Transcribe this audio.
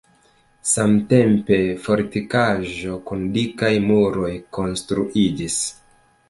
Samtempe fortikaĵo kun dikaj muroj konstruiĝis.